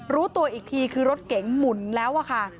รู้ตัวอีกทีคือรถเก๋งหมุนแล้วอะค่ะ